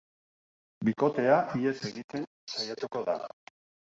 Bikotea ihes egiten saiatuko da.